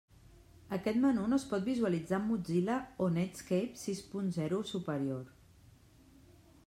Aquest menú no es pot visualitzar amb Mozilla o Netscape sis punt zero o superior.